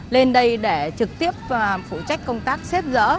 lên đây để trực tiếp phụ trách công tác xếp dỡ